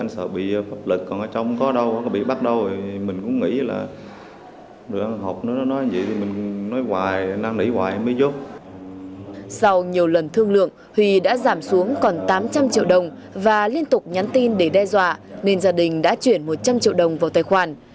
sau nhiều lần thương lượng huy đã giảm xuống còn tám trăm linh triệu đồng và liên tục nhắn tin để đe dọa nên gia đình đã chuyển một trăm linh triệu đồng vào tài khoản